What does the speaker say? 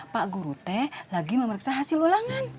pak guru teh lagi memeriksa hasil ulangan